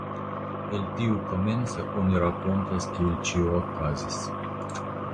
El tiu komenco oni rakontas kiel ĉio okazis.